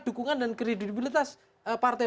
dukungan dan kredibilitas partai